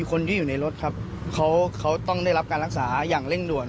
คนที่อยู่ในรถครับเขาต้องได้รับการรักษาอย่างเร่งด่วน